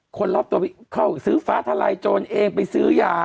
คนรอบตัวไปเข้าซื้อฟ้าทลายโจรเองไปซื้อยา